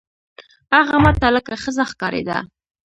هغه ما ته لکه ښځه ښکارېده.